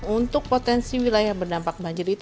untuk potensi wilayah yang berdampak banjir itu